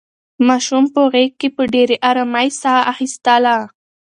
ماشوم په غېږ کې په ډېرې ارامۍ ساه اخیستله.